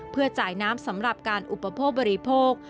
เพื่อจ่ายน้ำสำหรับการอุปโภคบริโภค